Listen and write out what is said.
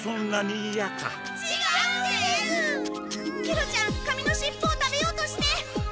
ケロちゃん紙のしっぽを食べようとして！